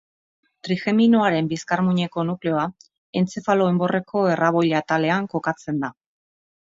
Trigeminoaren bizkar-muineko nukleoa, entzefalo enborreko erraboil atalean kokatzen da.